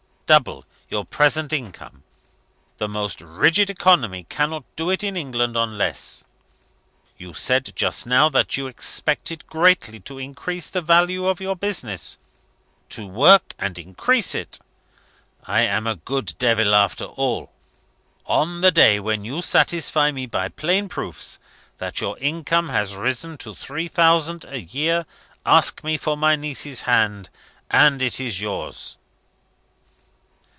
Double your present income the most rigid economy cannot do it in England on less. You said just now that you expected greatly to increase the value of your business. To work and increase it! I am a good devil after all! On the day when you satisfy me, by plain proofs, that your income has risen to three thousand a year, ask me for my niece's hand, and it is yours."